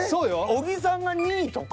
小木さんが２位とか。